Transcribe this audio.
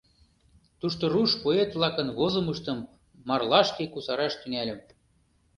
Тушто руш поэт-влакын возымыштым марлашке кусараш тӱҥальым.